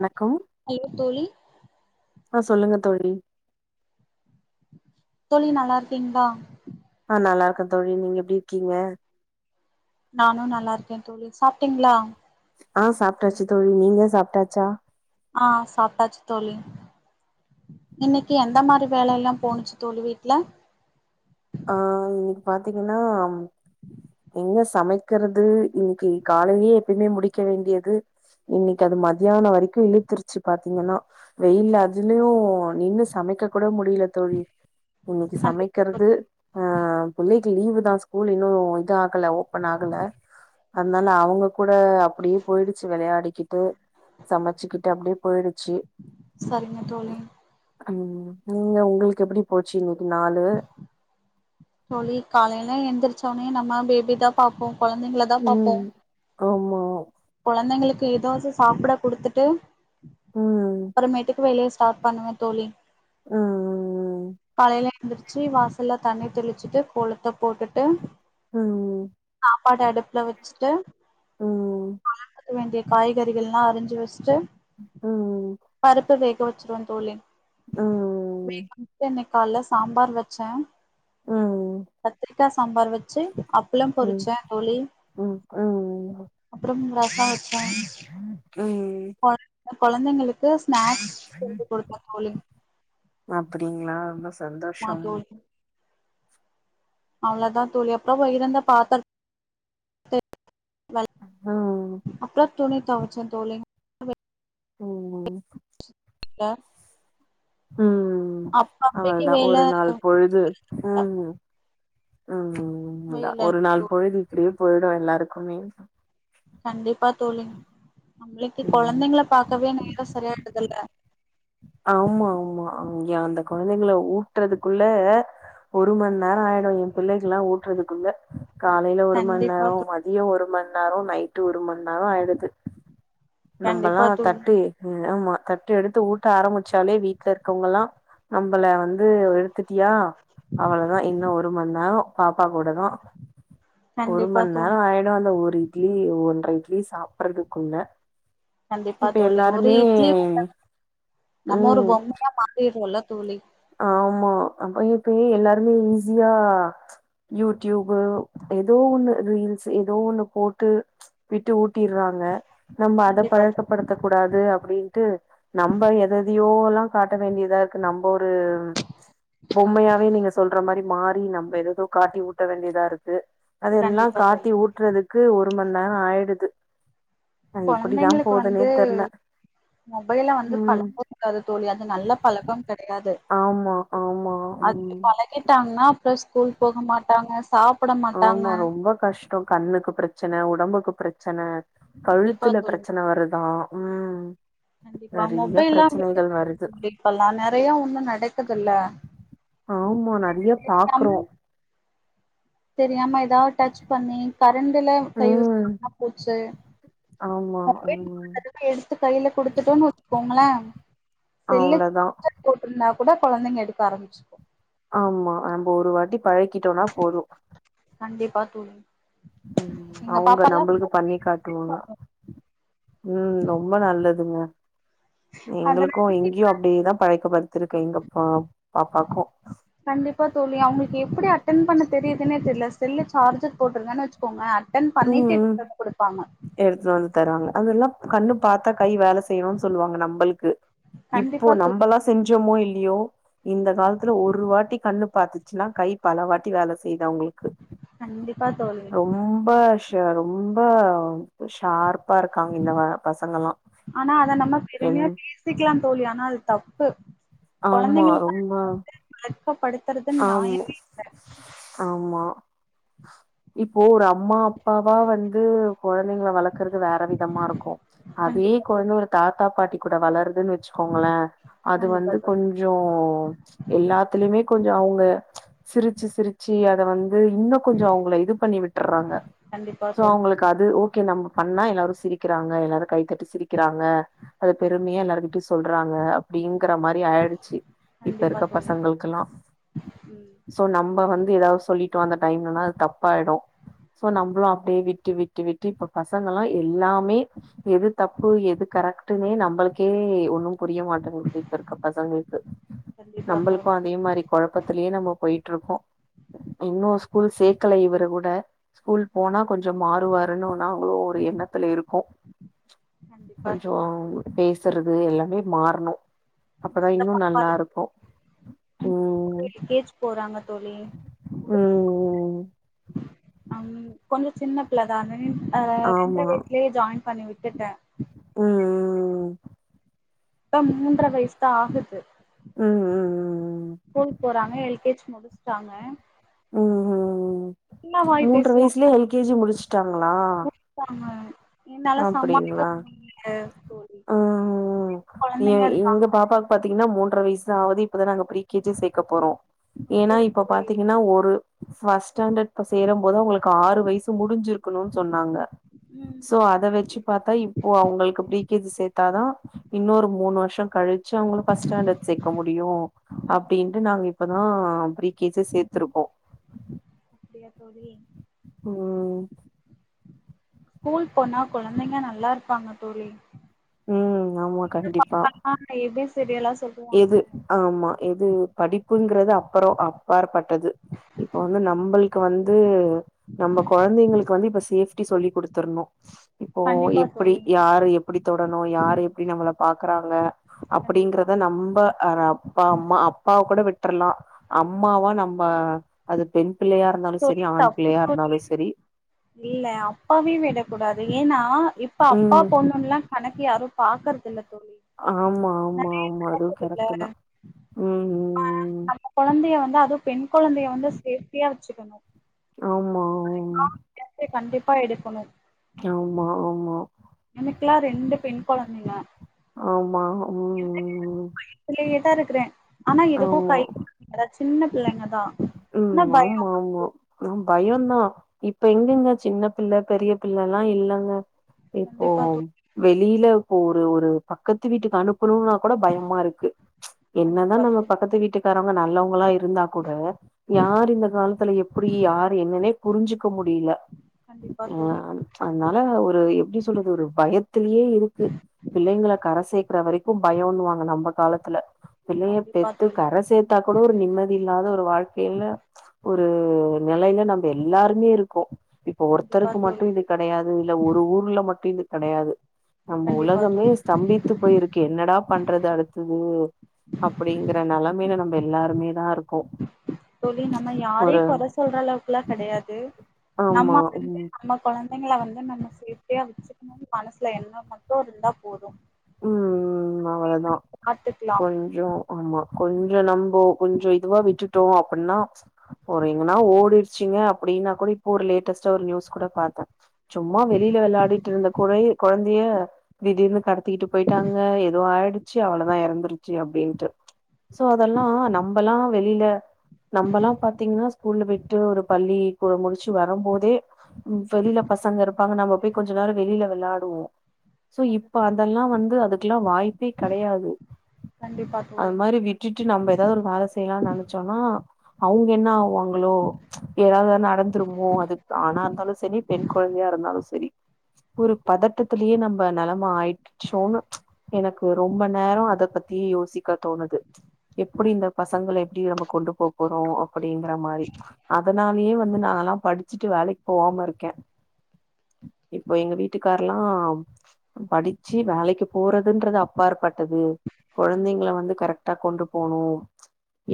வணக்கம் ஹலோ தோழி ஆ சொல்லுங்க தோழி தோழி நல்லா இருக்கீங்ளா ஆ நல்லா இருக்க தோழி நீங்க எப்டி இருக்கீங்க நானு நல்லா இருக்கே தோழி சாப்ட்டீங்ளா ஆ சாப்ட்டாச்சு தோழி நீங்க சாப்ட்டாச்சா ஆ சாப்ட்டாச்சு தோழி இன்னிக்கி எந்த மாரி வேலல்லா போணுச்சி தோழி வீட்ல ஆ இனிக்கி பாத்தீங்ன்னா எங்க சமைகுறது இனிக்கி காலைலயே எப்பயுமே முடிக்க வேண்டியது இனிக்கு அது மதியான வரைக்கு இழுத்துருச்சு பாத்தீங்கனா வெயில்ல அதுலயு நின்னு சமைக்க கூட முடி ல தோழி இன்னிக்கி சமைக்கிறது அ பிள்ளை இனிக்கி லீவு தா ஸ்கூலு இன்னு இது ஆகல ஓபன் ஆகல அதனால அவங்க கூ ட அப்டியே போய்டுச்சு விளையாடிகிட்டு சமச்சுகுட்டு அப்டியே போய்டுச்சு சரிங்க தோழி ம் நீங்க உங்களுக்கு எப்டி போச்சு இனிக்கி நாளு தோழி காலைல எந்திரிச்ச உடனே நம்ம பேபி தா பாப்போ கொழந்தைங்கள தா பாப்போ ம். ஆமா கொழந்தைங்களுக்கு எதாவது சாப்ட குடுத்துட்டு ம். அப்புறமேட்டுக்கு வெளிய ஸ்டார்ட் பண்ணுவ தோழி ம். காலையில எந்திர்ச்சி வாசல்ல தண்ணி தெளிச்சிட்டு கோலத்த போட்டுட்டு ம். சாப்பாடு அடுப்புல வச்சுட்டு ம். வளர்த்துக்க வேண்டிய காய்கறிகள்ல்லா அரிஞ்சு வச்சுட்டு ம் ம் தோச்சிருவ தோழி ம். இன்னிக்கு கால்ல சாம்பார் வச்ச ம். கத்திரிக்கா சாம்பார் வச்சு அப்பளம் ம். பொறிச்ச தோழி ம். அப்புற ரசம் வச்ச ம் கொழந்தைங்களுக்கு ஸ்நாக்ஸ் செஞ்சி குடுத்த தோழி அப்டிங்களா ரொம்ப ஆமா சந்தோஷம் தோழி அவ்ளோதா தோழி அப்புற போய் இருந்த பாத்திரத் வல ம். அப்புற துணி தொவச்ச தோழி ம் ம் லோ ம் அவளதா வேல ஒரு நாள் பொழுது ம் ம் முடியல ஒரு நாள் தோழி பொழுது இப்டியே போயிடு எல்லாருக்குமே கண்டிப்பா தோழி நம்ளுக்கு ம். கொழந்தைங்கல பாக்கவே நேரோ சரியா ஆயிருதுல ம் யா அந்த கொழந்தைங்கல ஊட்டுறதுக்குள்ள ஒரு மண் நேரோ ஆயிடு எ பிள்ளைக்ல்லா ஊட்றதுக்குள்ள காலைல ஒரு கண்டிப்பா மண்நேரோ தோழி மதிய ஒரு மண்நேரோ நைட்டு ஒரு மண்நேரோ ஆயிடுது நம்பல்லா கண்டிப்பா தோழி தட்டி ம் ஆமா தட்டு எடுத்து ஊட்ட ஆரம்பிச்சாலே வீட்ல இருக்கவங்கல்லா நம்பள வந்து எடுத் திட்டியா அவ்ளதா இன்னு ஒரு மண்நேரோ பாப்பா கூட தா ஒரு கண்டிப்பா தோழி மண்நேரோ ஆயிடு அந்த ஒரு இட்லி ஒன்ற இட் ட்லி சாப்றதுக்குள்ள கண்டிப்பா தோழி ஒரு இட்லி ஊட்ட நம்ம ஒரு ம். பொம்மையா மாறிறோல ஆமா அப்ப இப்ப எல்லாருமே ஈஸியா யூடியூபு ஏதோ ஒண்ணு ரீல்ஸ் ஏதோ ஒண்ணு போட்டு விட்டு ஊட் ட்டிறாங்க நம்ம அத கண்டிப்பா தோழி பழக்கப்படுத்தக்கூடாது அப் ப்டின்ட்டு நம்ம எததையோ எல்லா காட்ட வேண்டியதா இருக்கு நம்போ ஒரு பொம்மையாவே நீங்க சொல்ற மாரி மாறி நம்ம ஏததோ காட்டி ஊட்ட வேண்டியதா இருக்கு அதெல்லா கண்டிப்பா தோழி காட்டி ஊட்டுறதுக் க்கு ஒரு மண்நேர ஆயிடுது அது எப்டிதா கொழந்தைங்களுக்கு போதுன்னே வந்து தெர்ல மொபைல வந்து ம் பழக்கக்கூடாது தோழி அது நல்ல பழக்கம் கெடையா து ஆமா ஆமா அது ம் பழகிட்டாங்ன்னா அப்புற ஸ்கூல் போக மாட்டாங்க சாப் ஆமா ரொம்ப கஷ்டோ கண்ணுக்கு பிரச்சன உடம்புக்கு பிரச்சன கண்டிப்பா கழுத்துல தோழி பிரச்சனை வருதா ம் கண்டிப்பா நெறைய மொபைல்லா வி பிரச்சனைகள் வருது [inaudible] இப்பல்லா நெறையா ஒன்னு நடக்குதுல ஆமா நெறைய தம் பாக்குறோ தெரியாம எதாவது டச் பண்ணி கரண்டல கைவச்சோனா போச்சு ஆம்மா மொபைல் ஒரு ம் தடவ எடுத்து கையில குடுத்துட்டோன்னு வச்சுக்கோங்களே செல்லு அவ்ளதா சார்ஜர் போட்ருந்தாக் கூட கொழந்தைங்க எடுக்க ஆரம்பிச்சுரு ஆம்மா நம்ப ஒரு வாட்டி பழக்கிட்டோன்னா போது கண்டிப்பா தோழி ம் எங்க அவுங்க பாப்பால்லா நம்மளுக்கு பண்ணி காட்டுவாங்க ம் ரொம்ப நல்லதுங்க எங்களுக்கூ அதனால இங்கேயும் அப்டியேதா பழக்கப்படுத்திருக்கே எங்க பா பாப்பாக்கூ கண்டிப்பா தோழி அவுங்களுக்கு எப்டி அட்டென் பண்ண தெரியுதுன்னே தெரியல செல்லு சார்ஜர் போட்டிருக்கென்னு வச்சுக்கோங்க அட்டன்‌ பண்ணிட்டு எடுத்துட்டு வந்து குடுப்பாங்க தறாங்க அதல்லா கண்ணு பாத்தா கை வேல செய்யணுன்னு சொல்லுவாங்க நம்பளுக்கு இப்போ கண்டிப்பா தோழி நம்பல்லா செஞ்சோமோ இல் லயோ இந்த காலத்துல ஒரு வாட்டி கண்ணு பாத்துச்சுன்னா கை பல வாட்டி வேல செய்யுது து அவுங்களுக்கு கண்டிப்பா தோழி ரொம்ப ஷ ரொம்ப ஷார்பா இருக்காங்க இந்த வ பசங்கல்லா ஆனா அத நம்ம என் பெருமையா பேசிக்கலா தோழி ஆனா அது தப்பு ஆம்மா கொழந்தைங்களுக்கு ரொம்ப அத வந்து பழக்கப்படுத்துறது ஆம் நியாயமே இல்ல ஆமா இப்போ ஒரு அம்மா அப்பாவா வந்து கொழந்தைங்கள வளக்குறது வேற விதமா இருக்கூ அதே கண்டிப்பா கொழந்த தோழி ஒரு தாத்தா பாட்டி கூட வளர் துன்னு வச்சுக்கோங்களே அது கண்டிப்பா வந்து தோழி கொஞ்சோ எல்லாத்துலயுமே கொஞ்சோ அவுங்க சிரிச்சு சிரிச்சு அத வந் து இன்னும் கொஞ்சோ அவுங்கள இது பண்ணி விட்டுர்றாங்க கண்டிப்பா ஷோ தோழி அவுங்களுக்கு அது ஓ கே நம்ம பண்ணா எல்லாரு சிரிக்கிறாங்க எல்லாரு கைத்தட்டி சிரிக்கிறாங்க அத பெருமையா எல்லாருகிட்டயு சொல்றாங் க அப்டிங்கற மாரி ஆயிடுச்சு இப்ப கண்டிப்பா இருக்க தோழி பசங்களுக்குகெல்லா ம் ஷோ நம் நம்ம வந்து எதாவது சொல்லிட்டோ அந்த டைம்லனா அது தப்பாயிடு சோ நம்மளு அப்டியே விட்டு விட்டு விட்டு இப்ப பசங்கலா எல்லாமே எது தப்பு எது கரெக்டுன்னே நம்பளுக்கே ஒண்ணும் புரிய மாட்டங்கது இப்ப இருக்க பசங்களுக்கு கண்டிப்பா நம்மளுக்கு தோழி அதே மாரி பக்கத்திலயே நம்ம போயிட்டு இருக்கோ இன்னு கண்டிப்பா ஸ்கூல் சேர்க்கல இவரு கூட ஸ்கூல் போனா கொஞ்ச மாறுவாருன்னு நாங்களு ஒரு எண்ணத்துல இருக்கோ கண்டிப்பா கொஞ்ச தோழி பேசுறது எல்லா மே மாறணும் அப்பதான் இன்னும் நல்லா இருக்கும் க்கேச்சு போறாங்க தோழி ம் அம் கொஞ்ச சின்ன பிள்ளதான அ ரெண்ர வயசலயே ஜாயின் பண்ணி விட்டுட்ட ம் ம் ம் இப்ப மூன்றரை வயசு தா ஆகுது ம் ம் ம் ஸ்கூல் போறாங்க எல்கேச் முடிச்சிட்டாங்க ம்ம் மூன்ற பேசுவா வயசுலயே எல்கேஜி முடிச்சுட்டாங்களா முடிச்சுட்டாங்க என்னால சமாளிக்க அப்படிங்களா முடியல தோழி ம் ஏ கொழந்தைங்க எங்க இருக்காங்க பாப்பா பாத்தி பாத்தீங்கன்னா மூன்ற வயசுதாவது இப்பதா நாங்க ஃப்ரீ கேஜி சேர்க்க போறோ ஏன்னா அப்டியா இப்ப தோழி பாத்தீங்கன்னா ஒரு ஃபஸ்ட் ஸ்டாண்டர்ட் சேரும் போது அவங்களுக்கு ஆறு வயசு முடிஞ்சிருக்கணும்னு சொன்னாங்க ம் அதை வச்சு பார்த்தா இப்போ அவங்களுக்கு பிரிகேஜி சேர்த்தாதா இன்னொரு மூணு வருஷ கழுச் சி ஃபஸ்ட் ஸ்டாண்டர்ட் சேர்க்க முடியு ம் அப்படின்டு நாங் இப்பதா பிரிகேஜி சேத்திருக்கோ அப்டியா தோழி ம் ஸ்கூல் போனா குழந்தைங்க நல்லா இருப்பாங்க தோழி ம் ஆமா எங்க கண்டிப்பா பாப்பாலா ஏ பி சி டி எல்லா சொல்லுவாங்க எது ஆமா எது படிப்புங்கறது அப்புறோ அப்பார் அது இப்ப வந்து நம்பளுக்கு வந்து நம்ம கொழந்தைங்களுக்கு வந்து இப்ப சேஃப் ட்டி சொல்லி் குடுத்தர்ணோ இப்போ கண்டிப்பா எப்பிடி தோழி யார எப்பிடி தொடணு யார எப்பிடி நம்மள பாக் க்கறாங்க கண்டிப்பா நம்ப அ அப்பா அம்மா அப்பாவ கூட விட் ட்ரலா அம்மாவா நம்ப அது பெண் ரந்தாலு செரி தோழி ஆண் தப்பு பிள்ளையா தோழி இருந்தாலு செரி இல்ல அப்பவே விடக் கூடாது ஏனா இப் இப்ப அப்பா ம் பொண்ணுன்லா கணக்கே யாரு பாக்கறது இல்ல ஆமா ஆமா ஆமா அதுவு கரெக்ட்டு தா ம் கொ ம் நம்ம கொழந்தைய வந்து அதுவு பெண் கொழந்தைய வந்து சேஃப்ட்டியா ஆமா ஆம் பா எடுக்கணு ஆமா ஆமா எனக்கெல்லா ரெண்டு பெண் கொழந்தைங்க ஆமா ம் குள்ளேயே தா இருக்குறே ஆனா இதுக்கு ஆமா கைக் அதாது சின்ன புள்ளைங்க ம் ஆமா ஆமா ஆம் பயோந்தா இப்ப எங்கங்க சின்ன புள்ள பெரிய புள்ளல்லா இல்லங்க இப்போ கண்டிப்பா தோழி வெளியில போற ஒரு பக்கத்து வீட்டுக்கு அனுப் பொண்ணுகனா கூட பயமாருக்கு என்னதா கண்டிப்பா நம்ம தோழி பக்கத்து வீட்டுக்காரவங்க நல்லவங்களா இருந்தா கூட யாரு இந்த காலத்துல எப்பிடி யார் என்னன்னே புரிஞ்சுக்க முடில ம் கண்டிப்பா ம்ங்க தோழி ஆ அதனால ஒரு எப்டி சொல்றது ஒரு பயத்துலேயே இருக்கு பிள்ளைங்கள கர சேர்க்கற வரைக்கு பயோண்ணுவாங்க நம்ப காலத்துல பிள்ளைய கண்டிப்பா பெத்து தோழி கர சேத்தா கூட ஒரு நிம்மதி இல்லாத ஒரு வாழ்க் இல்ல ஒரு நெலைல நம்ப எல்லாருமே இருக்கோ இப்ப கண்டிப்பா ஒருத்தருக்கு மட்டு தோழி இது கடையாது இல்ல ஒரு ஊர்ல மட்டு இது கடையாது நம்ம கண்டிப்பா உலகமே தோழி ஸ்தம்பித்து போயிருக்கு என்னடா பண்றது அடுத்தது அப்டிங்கற நெலமையில நம்ப எல்லாருமே தா இருக்கோ தோழி நம்ம யாரையு ஒரு கொற சொல்ற அளவுக்குலா கெடையாது நம்ம ஆமா வந்து ம் நம்ம கொழந் புள்ளைங்கள வந்து நம்ம சேப்டியா வச்சுக்கணும்னு மனசுல எண்ணோ மட்டும் இருந்தா போது ம் ம் அவ்வளதா பாத்துக்கலா கொஞ்சோ ஆமா கொஞ்சோ நம்போ கொஞ்சோ இதுவா விட்டுட்டோ அப்டின்னா ஒரு எங்கன்னா ஓடிருச்சுங்க அப்டின்னா கூட இப்போ ஒரு லேட்டஸ்ட்டா ஒரு நியூஸ் கூட பாத்த சும்மா வெளியில வெளையாடிட்டு இருந்த கொறை கொழந்தைய திடீர்னு கடத் த்திட்டு போய்ட்டாங்க எதோ ஆயிடுச்சு அவ்ளோதா எறந்துருச்சு அப்டின்ட்டு சோ அதெல்லா நம்பெல்லா வெளில நம்பெல்லா பாத்தீங்கன்னா ஸ்கூல்ல போய்ட்டு ஒரு பள்ளி முடிச்சு வர போதே வெளில பசங்க இருப்பாங்க நம்ம போய் கொஞ்ச நேரோ வெளியில வெளாடுவோ சோ இப்ப கண்டிப்பா அந் அதெல்லா வந்து அதுக்கெல்லா வாய்ப்பே கெடையாது கண்டிப்பா அது தோழி மாறி விட்டுட்டு நம்ம எதாவது ஒரு வேல செய்யலான்னு நெனச்சோனா அவுங் என்ன ஆவுவாங்களோ எதாவது நடந்துருமோ அது ஆணா இருந்தாலு சரி பெண் கொழந்தையா இருந்தாலு ச செரி ஒரு ஆமா தோழி பதட்டத்துலயே நம்ம நலம் மா ஆயிச்சோன்னு எனக்கு ரொம்ப நேரோ அத பத்தி யோசிக்க தோணுது எப்டி இந்த கண்டிப்பா பசங்கள எப்டி நம்ம கொண்டு போப்போறோ அப்டிங்கிற மாறி அதனாலயே வந்து நா நா படிச்சுட்டு வேலக்கி போவாம இருக்கே இப்ப எங்க வீட் வீட்டுக்காரல்லா படிச்சு வேலைக்கு போறதுன்றது அப்பாற்பட்டது கொழந்தைங்கள கண்டிப்பா வந்து கரெக்டா கொண்டு போனு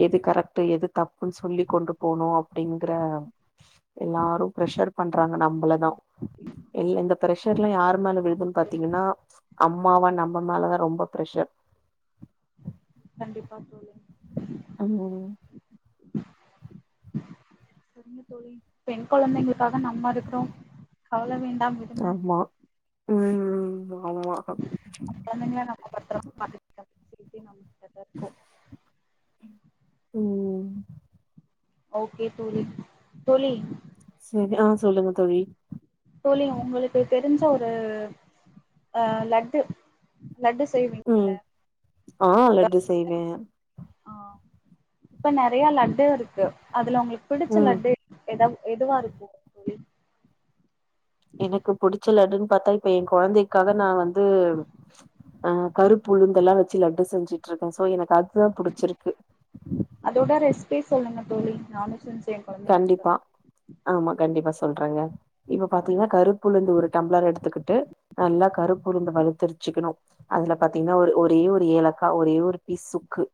எது கரெக்ட்டு எது தப்புன்னு சொல்லி கொண்டு போனு அப்டிங்கற எல்லாரு பிரஷர் பண் றாங்க நம்மளதா கண்டிப்பா இந்த பிரஷர் எல்லா யாரு மேல ஆமா விழுதுன்னு தோழி பாத்தீங்கன்னா அம்மாவா நம்ம மேலதா ரொம்ப பிரஷர் கண்டிப்பா தோழி ஆ சரிங்க தோழி பெண் குழந்தைங்களுக்காக நம்ம இருக்றோ கவல வேண் டாம் விடுங்க ஆமா ம் ஆமா நம்ம கொழந்தைங்கள நம்ம பத்திரமா [unintelligible] ம் ஓகே தோழி தோழி சரி ஆ சொல்லுங்க தோழி தோழி உங்களுக்கு தெரிஞ்ச ஒரு அ லட்டு லட்டு செய்வீங்கல்ல ம் ஆ இப்ப லட்டு செய்வே ஆ இப்ப நெறையா லட்டா இருக்கு அதுல உங்களுக் பிடிச்ச ம் லட்டு எத எதுவா இருக்கு தோழி எனக்கு புடிச்ச லட்டுன்னு பாத்தா இப்ப எ கொழந்தைக்காக நா வந்து ஆ கருப்புளுந்துல்லா வச்சு லட்டு செஞ்சுட்டு இருக்கே சோ எனக்கு அது தா புடிச்சிருக்கு பே சொல்லுங்க தோழி நானு செஞ்சு என் கொழந்தைங்களுக்கு கண்டிப்பா ஆமா கண்டிப்பா ச சொல்றாங்க இப்ப பாத்தீங்கன்னா கருப்புளுந்து ஒரு டம்ளர் எடுத்துக்கிட்டு நல்லா கருப்புளுந்து வறுத்து வச்சுக்கணு அதுல பாத்தீங்கன்னா ஒரு ஒரு ஒரே ஒரு ஏலக்கா ஒரே ஒரு பீஸ் சுக்கு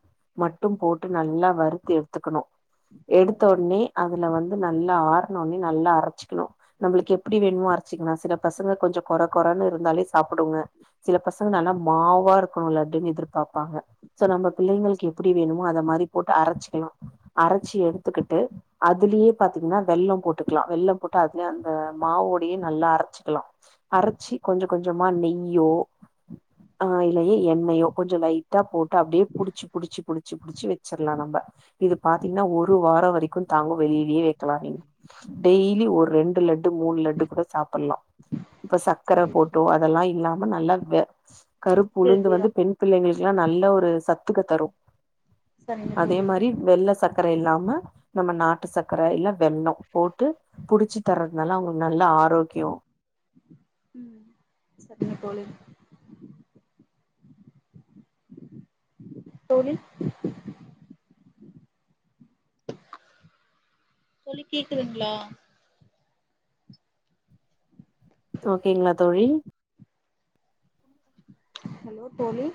மட்டும் போட்டு நல்லா வறுத்து எடுத்துக்கணு எடுத்த சரிங்க ஒடனே அ அதுல வந்து நல்லா ஆரணோனே நல்லா அரச்சிக்கணு நம்மளுக்கு எப்டி வேணுமோ அரச்சிக்கணு சில பசங்க கொஞ்சோ கொற கொறன்னு இருந்தாலே சாப்புடுங்க சில பசங்க நல்லா மாவா இருக்கணு லட்னு எதிர்பாப்பாங்க சோ நம்ம பிள்ளைங்களுக்கு எப்டி வேணுமோ அத மாறி போட்டு அரச்சிக்கலா அரச்சி எடு த்துக்கிட்டு அதுலேயே பாத்தீங்கன்னா வெள்ளோ போட்டுக்கலா வெள்ளோ போட்டு அதுலயே அந்த மாவோடயே நல்லா அரச் சுக்கலா அரச்சி கொஞ்ச கொஞ்சமா நெய்யோ ஆ இல்லையே எண்ணெயோ கொஞ்ச லைட்டா போட்டு அப்படியே புடிச்சு புடிச்சு புடிச்சு புடிச்சு வச்சிடலா நம்ம இது பாத்தீங்கன்னா ஒரு வார வரைக்கு தாங்கு வெளியிலயே வைக்கலா நீங்க டெய் ஒரு ரெண்டு லட்டு மூணு லட்டு கூட சாப்பலா இப்ப சக்கர போட்டோ அதெல்லா இல்லாம ரொம்ப நல்லா கருப்பு உளுந்து ஹெல்த்தியா வந்து பெண் பிள்ளைங்களுக்குலா நல்ல ஒரு சத்துக்க தரு சரிங்க அதே தோழி மாரி வெள்ள சக்கரை இல்லாம நம்ம நாட்டு சக்கரை இல்ல வெள்ளம் போட்டு புடிச்சு தர்துனால அவங்களுக்கு நல்ல ஆரோக்கியோ ம் சரிங்க தோழி தோழி தோழி கேக்குதுங்களா ஓகேங்களா தோழி ஹலோ தோழி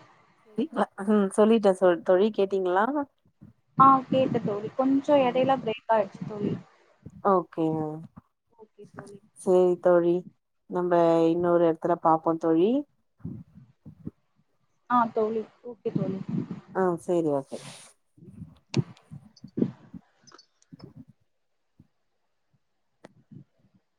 அ அம் சொல்லிட்டே சோ தோழி கேட்டீங்களா ஆ கேட்ட தோழி கொஞ்ச ம் ம் எடைல பிரேக் ஆயிடுச்சு தோழி ஓகேங்க ஓகே தோழி சேரி தோழி நம்ம இன்னொரு எடத்துல பாப்போ தோழி ஆ தோழி ஓகே தோழி ஆ சேரி ஓகே